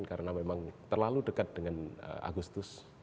karena memang terlalu dekat dengan agustus